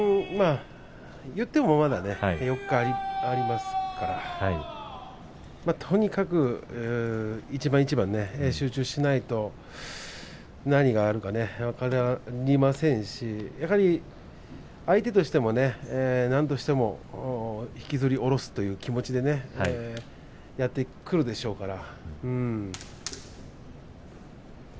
言ってもまだ４日ありますからとにかく、一番一番ね集中しないと何があるか分かりませんし相手としてもね引きずり下ろすという気持ちでやってくるでしょうから。